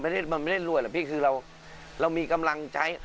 คันที่ผมไม่ได้รวยเหรอพี่คือเรามีกำลังใช้